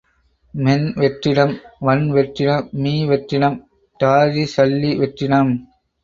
மென்வெற்றிடம், வன்வெற்றிடம், மீவெற்றிடம், டாரிசல்லி வெற்றிடம்.